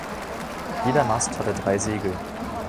Jeder Mast hatte drei Segel.